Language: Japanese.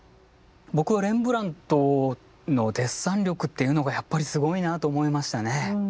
僕はレンブラントのデッサン力っていうのがやっぱりすごいなと思いましたね。